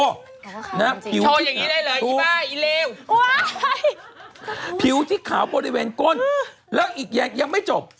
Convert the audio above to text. ผิวโชว์อย่างนี้ได้เลยอีบ้าอีเลวผิวที่ขาวบริเวณก้นแล้วอีกยังไม่จบ